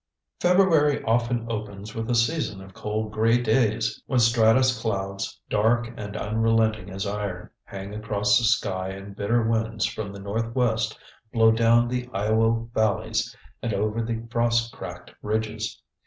February often opens with a season of cold gray days when stratus clouds, dark and unrelenting as iron, hang across the sky and bitter winds from the northwest blow down the Iowa valleys and over the frost cracked ridges.